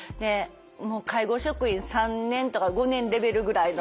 介護職員３年とか５年レベルぐらいの。